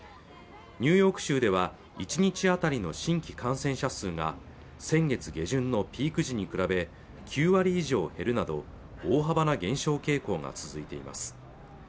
ニューヨーク州では１日あたりの新規感染者数が先月下旬のピーク時に比べ９割以上減るなど大幅な減少傾向が続いています